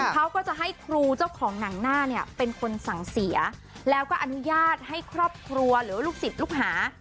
เขาก็จะให้ครูเจ้าของหนังหน้าเนี่ยเป็นคนสั่งเสียแล้วก็อนุญาตให้ครอบครัวหรือว่าลูกศิษย์ลูกหา